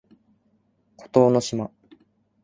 孤島の島